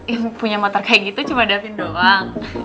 yang punya motor kayak gitu cuma davin doang